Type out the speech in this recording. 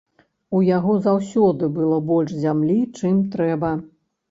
У яго заўсёды было больш зямлі, чым трэба.